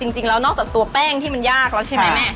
จริงแล้วนอกจากตัวแป้งที่มันยากแล้วใช่ไหมแม่